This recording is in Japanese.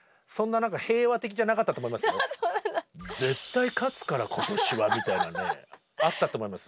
「絶対勝つから今年は」みたいなねあったと思います。